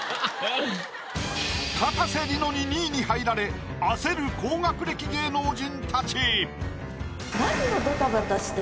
かたせ梨乃に２位に入られ焦る高学歴芸能人たち。